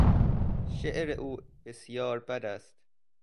شعر او بسیار بد است.